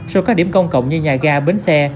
sau các điểm công cộng như nhà ga bến xe